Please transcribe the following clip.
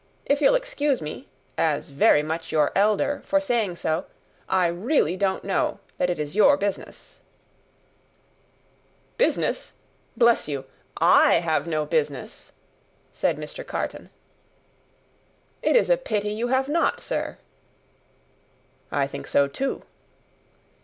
If you'll excuse me, as very much your elder, for saying so, I really don't know that it is your business." "Business! Bless you, I have no business," said Mr. Carton. "It is a pity you have not, sir." "I think so, too."